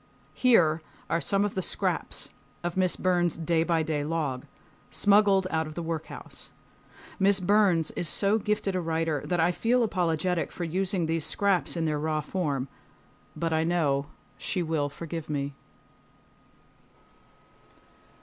Here are some of the scraps of Miss Burn's day by day log, smuggled out of the workhouse. Miss Burns is so gifted a writer that I feel apologetic for using these scraps in their raw form, but I know she will forgive me.